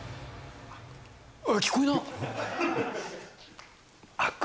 あっ、聞こえなっ。